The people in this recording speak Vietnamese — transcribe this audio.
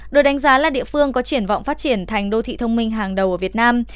được đánh giá là địa phương có triển vọng phát triển thành đô thị thông minh hàng đầu ở việt nam